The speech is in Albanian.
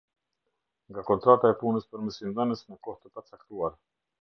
Nga kontrata e Punës për mësimdhënës në kohë të pacaktuar.